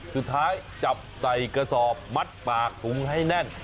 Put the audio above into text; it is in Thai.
สุดท้ายจับใส่กระสอบมัดปากถุงให้แน่น